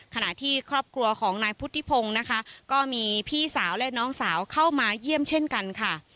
ขณะที่ครอบครัวของนายพุทธิพงศ์นะคะก็มีพี่สาวและน้องสาวเข้ามาเยี่ยมเช่นกันค่ะ